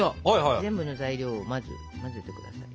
全部の材料を混ぜて下さい。